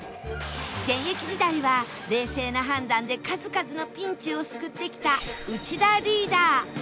現役時代は冷静な判断で数々のピンチを救ってきた内田リーダー！